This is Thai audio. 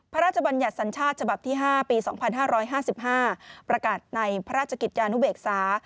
พระราชบัญญัติสัญชาติฉ๕ปศ๒๕๕๕ประกาศในพระราชกิจยานุเบกษา